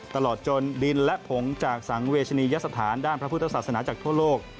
ตลอดจนดินและผงจากสังเวชนียสถานด้านพระพุทธศาสนาจากทั่วโลก